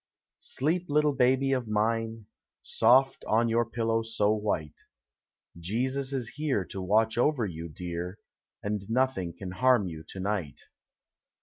Sleep, little baby of mine, Soft on your pillow so white; Jesus is here To watch over you, dear, And nothing can harm you to night.